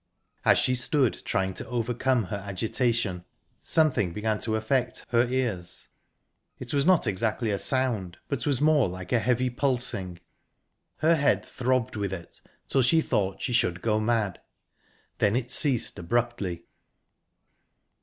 As she stood trying to overcome her agitation, something began to affect her ears. It was not exactly a sound, but was more like a heavy pulsing. Her head throbbed with it, till she thought she should go mad. Then it ceased abruptly.